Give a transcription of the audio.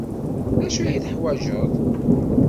D acu ay teḥwajeḍ?